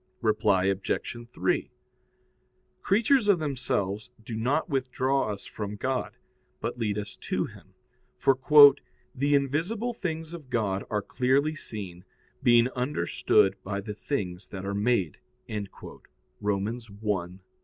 Reply Obj. 3: Creatures of themselves do not withdraw us from God, but lead us to Him; for "the invisible things of God are clearly seen, being understood by the things that are made" (Rom. 1:20).